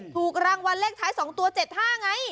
ถูกรางวัลเลขท้าย๒ตัว๗๕ไง